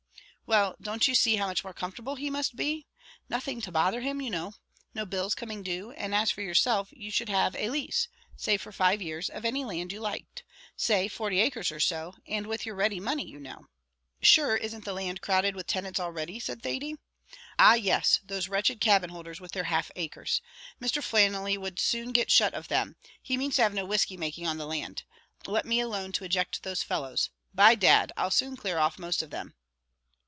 "Well, don't you see how much more comfortable he must be? nothing to bother him, you know; no bills coming due; and as for yourself, you should have a lease, say for five years, of any land you liked; say forty acres or so, and with your ready money you know." "Sure isn't the land crowded with tenants already?" said Thady. "Ah yes; those wretched cabin holders with their half acres. Mr. Flannelly would soon get shut of them: he means to have no whiskey making on the land! Let me alone to eject those fellows. By dad! I'll soon clear off most of them."